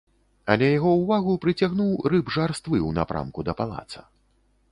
Але яго ўвагу прыцягнуў рып жарствы ў напрамку да палаца.